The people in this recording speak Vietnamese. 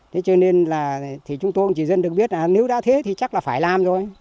thế cho nên là chúng tôi cũng chỉ dân được biết là nếu đã thế thì chắc là phải làm thôi